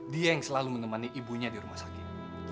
dia yang selalu menemani ibunya di rumah sakit